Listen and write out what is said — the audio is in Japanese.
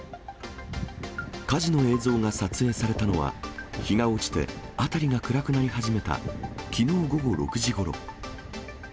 火事の映像が撮影されたのは、日が落ちて辺りが暗くなり始めたきのう午後６時ごろ。